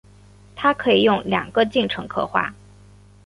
它可以用两个进程刻画。